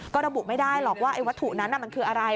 ก็ระบุไม่ได้หรอกว่าไอ้วัตถุนั้นมันคืออะไร